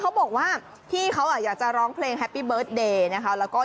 เขาบอกว่าพี่เขาอยากจะร้องเพลงแฮปปี้เบิร์ตเดย์นะคะ